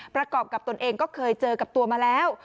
ประกอบกับตนเองก็เคยเจอกับตัวมาแล้ว